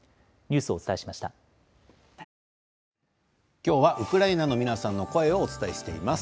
今日はウクライナの皆さんの声をお伝えしています。